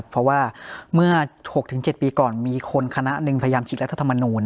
เพราะว่าเมื่อ๖๗ปีก่อนมีคนคณะหนึ่งพยายามฉีดรัฐธรรมนูล